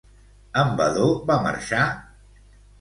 En Vadó va marxar?